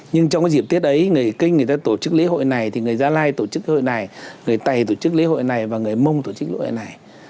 nhưng trong cái dịp tiết ấy người kinh người ta tổ chức lễ hội này thì người gia lai tổ chức hội này người tày tổ chức lễ hội này và người mông tổ chức lễ hội này